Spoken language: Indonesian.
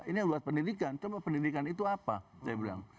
ini yang buat pendidikan coba pendidikan itu apa saya bilang